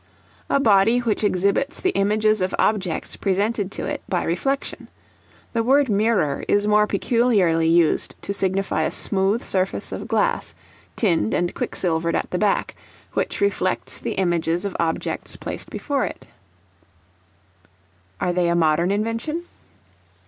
A body which exhibits the images of objects presented to it by reflection. The word mirror is more peculiarly used to signify a smooth surface of glass, tinned and quicksilvered at the back, which reflects the images of objects placed before it. [Footnote 3: See Chapter XII., article Mercury.] Are they a modern invention?